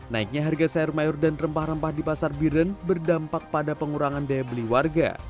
naiknya harga sayur mayur dan rempah rempah di pasar biren berdampak pada pengurangan daya beli warga